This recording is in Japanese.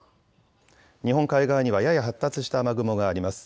日本海側にはやや発達した雨雲があります。